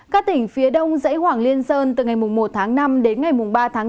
các tỉnh phía đông dãy hoàng liên sơn từ ngày một tháng năm đến ngày ba tháng năm